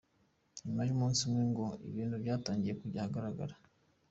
Nyuma y’umunsi umwe ngo ibintu byatangiye kujya ahagaragara.